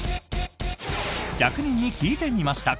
１００人に聞いてみました！